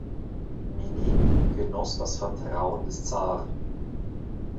Minin genoss das Vertrauen des Zaren.